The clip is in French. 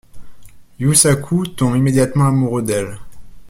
Yusaku tombe immédiatement amoureux d'elle.